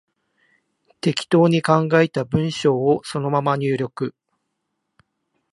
適当に考えた文章をそのまま入力